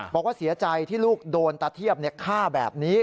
บอกว่าเสียใจที่ลูกโดนตะเทียบฆ่าแบบนี้